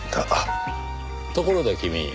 ところで君